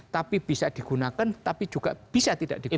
tapi bisa digunakan tapi juga bisa tidak digunakan